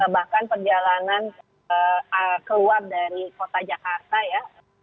bahkan perjalanan keluar dari kota jakarta ya